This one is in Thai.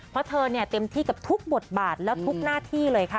เพราะเธอเนี่ยเต็มที่กับทุกบทบาทและทุกหน้าที่เลยค่ะ